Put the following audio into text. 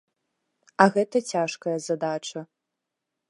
А гэта цяжкая задача.